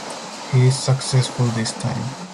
He is successful this time.